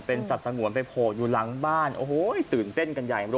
สัตว์สงวนไปโผล่อยู่หลังบ้านโอ้โหตื่นเต้นกันใหญ่